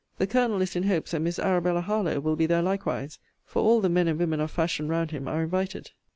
The Colonel is in hopes that Miss Arabella Harlowe will be there likewise; for all the men and women of fashion round him are invited.